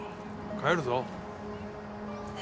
帰るぞ。